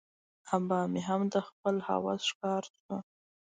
آبا مې هم د خپل هوس ښکار شو.